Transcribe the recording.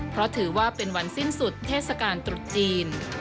เพราะถือว่าเป็นวันสิ้นสุดเทศกาลตรุษจีน